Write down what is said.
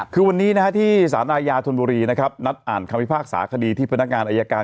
คือวันนี้ที่สารอาญาธนบุรีนะครับนัดอ่านคำพิพากษาคดีที่พนักงานอายการ